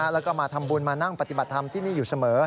แล้วก็มาทำบุญมานั่งปฏิบัติธรรมที่นี่อยู่เสมอ